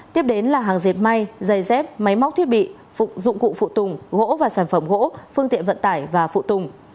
tiếp đến là hàng dệt may giày dép máy móc thiết bị dụng cụ phụ tùng gỗ và sản phẩm gỗ phương tiện vận tải và phụ tùng